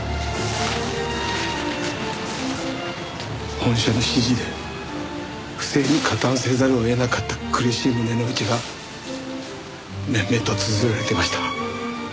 本社の指示で不正に加担せざるを得なかった苦しい胸の内が綿々とつづられてました。